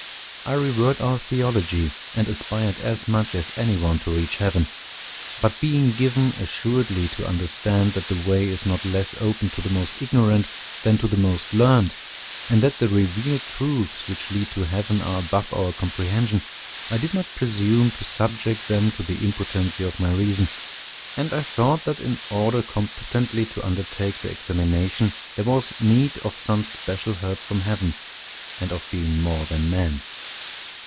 I revered our theology, and aspired as much as any one to reach heaven: but being given assuredly to understand that the way is not less open to the most ignorant than to the most learned, and that the revealed truths which lead to heaven are above our comprehension, I did not presume to subject them to the impotency of my reason; and I thought that in order competently to undertake their examination, there was need of some special help from heaven, and of being more than man.